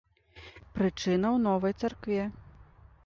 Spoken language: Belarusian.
Прычына ў новай царкве.